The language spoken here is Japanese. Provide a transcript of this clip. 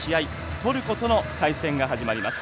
トルコとの対戦が始まります。